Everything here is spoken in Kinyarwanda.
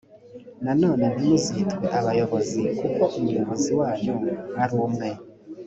nanone ntimuzitwe abayobozi g kuko umuyobozi wanyu ari umwe